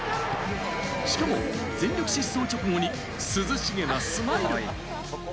しかも全力疾走直後に涼しげなスマイル。